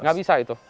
tidak bisa itu